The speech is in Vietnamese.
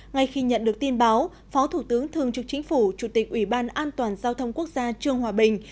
ngay khi nhận được tin báo phó thủ tướng thường trực chính phủ chủ tịch ủy ban an toàn giao thông quốc gia trương hòa bình